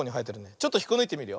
ちょっとひっこぬいてみるよ。